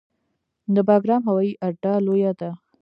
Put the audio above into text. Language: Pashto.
د بګرام هوایي اډه لویه ده